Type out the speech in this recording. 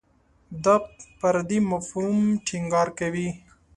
دا پر دې مفهوم ټینګار کوي.